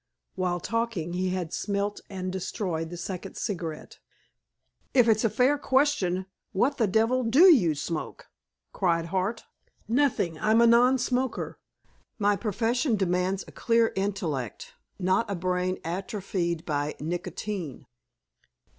While talking, he had smelt and destroyed the second cigarette. "If it's a fair question, what the devil do you smoke?" cried Hart. "Nothing. I'm a non smoker. My profession demands a clear intellect, not a brain atrophied by nicotine."